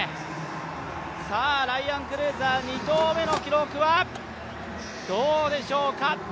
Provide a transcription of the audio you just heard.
ライアン・クルーザー２投目の記録はどうでしょうか。